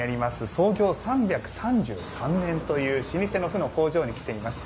創業３３３年という老舗の麩の工場に来ています。